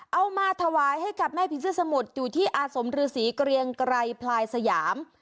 เอามาถวายให้กับแม่ผีเสื้อสมุทรอยู่ที่อาสมฤษีเกรียงไกรพลายสยาม